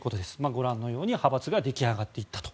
ご覧のように派閥が出来上がっていったと。